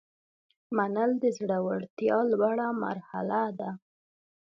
منل د زړورتیا لوړه مرحله ده.